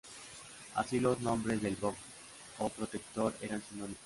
Así los nombres de Vogt o protector eran sinónimos.